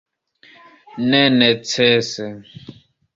Ne necese.